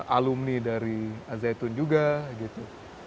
alumni dari azzaitun juga gitu